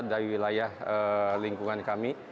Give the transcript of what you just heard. dari wilayah lingkungan kami